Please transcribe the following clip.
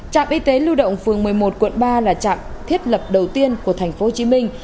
trạm y tế lưu động phường một mươi một quận ba là trạm thiết lập đầu tiên của thành phố hồ chí minh